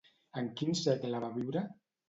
En quin segle va viure?